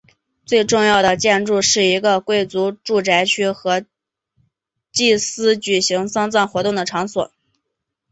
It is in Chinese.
最重要的建筑是一个贵族住宅区和祭司举行丧葬活动的场所。